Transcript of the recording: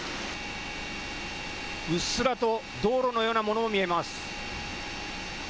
うっすらと道路のようなものも見えます。